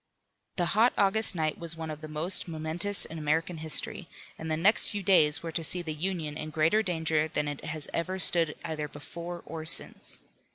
The hot August night was one of the most momentous in American history, and the next few days were to see the Union in greater danger than it has ever stood either before or since.